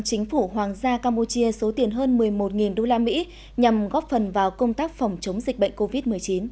chính phủ hoàng gia campuchia số tiền hơn một mươi một usd nhằm góp phần vào công tác phòng chống dịch bệnh covid một mươi chín